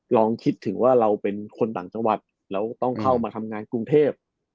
ลองคิดถึงว่าเราเป็นคนต่างจังหวัดแล้วต้องเข้ามาทำงานกรุงเทพ